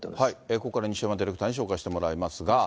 ここからは西山ディレクターに紹介してもらいますが。